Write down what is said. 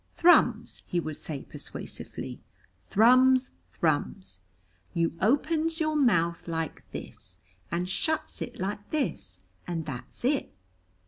"Thrums," he would say persuasively, "Thrums, Thrums. You opens your mouth like this, and shuts it like this, and that's it."